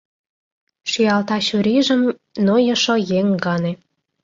Шӱалта чурийжым нойышо еҥ гане.